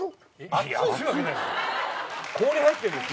熱いわけないっす。